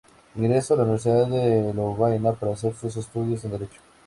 Ingresó a la universidad de Lovaina para hacer sus estudios en derecho.